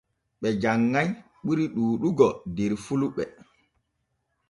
Ɓe janŋay ɓuri ɗuuɗugo der fulɓe.